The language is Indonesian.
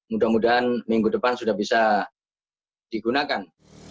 mudah mudahan minggu depan sudah bisa digunakan